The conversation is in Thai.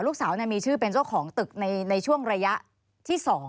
ลูกสาวมีชื่อเป็นเจ้าของตึกในช่วงระยะที่๒